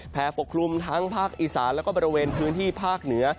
ปกคลุมทั้งภาคอีสานแล้วก็บริเวณพื้นที่ภาคเหนือ